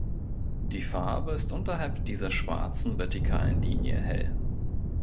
Die Farbe ist unterhalb dieser schwarzen vertikalen Linie hell.